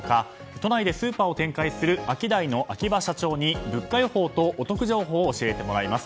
都内でスーパーを展開するアキダイの秋葉社長に物価予報と、お得情報を教えてもらいます。